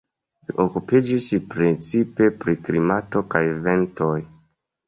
Li okupiĝis precipe pri klimato kaj ventoj.